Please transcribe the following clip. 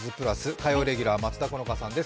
火曜レギュラー、松田好花さんです。